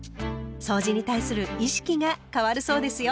そうじに対する意識が変わるそうですよ。